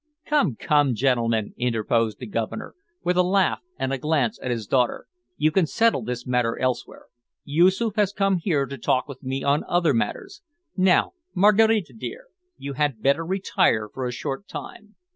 "Come, come, gentlemen," interposed the Governor, with a laugh and a glance at his daughter, "you can settle this matter elsewhere. Yoosoof has come here to talk with me on other matters. Now, Maraquita dear, you had better retire for a short time."